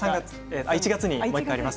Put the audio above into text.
１月にあります。